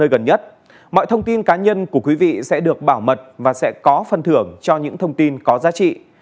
nơi gần nhất mọi thông tin cá nhân của quý vị sẽ được bảo mật và sẽ có phần thưởng cho những thông tin có giá trị